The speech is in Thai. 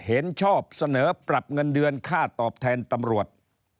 เห็นชอบเสนอปรับเงินเดือนค่าตอบแทนตำรวจ